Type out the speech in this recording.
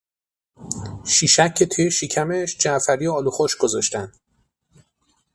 شیشک که توی شکمش جعفری و آلو خشک گذاشتهاند